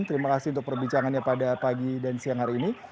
terima kasih untuk perbicaraannya pada pagi dan siang hari ini